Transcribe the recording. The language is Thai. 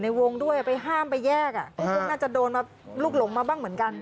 ในวงด้วยไปห้ามไปแยกอ่ะคงน่าจะโดนมาลูกหลงมาบ้างเหมือนกัน